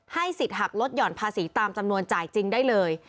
สิทธิ์หักลดหย่อนภาษีตามจำนวนจ่ายจริงได้เลย